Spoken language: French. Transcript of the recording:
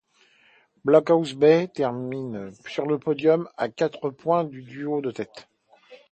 Blockhouse Bay termine sur le podium à quatre points du duo de tête.